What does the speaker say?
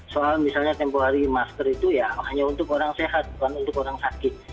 soal misalnya tempoh hari masker itu ya hanya untuk orang sehat bukan untuk orang sakit